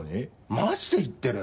マジで言ってる？